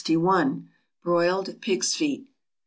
=Broiled Pigs' Feet.